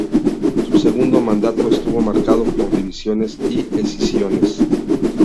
Su segundo mandato estuvo marcado por divisiones y escisiones.